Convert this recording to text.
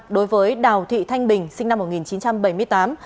đối với đào thị thanh bình sinh năm một nghìn chín trăm bảy mươi tám